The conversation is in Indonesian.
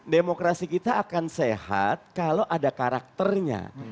demokrasi kita akan sehat kalau ada karakternya